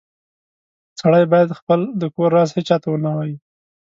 سړی باید خپل د کور راز هیچاته و نه وایې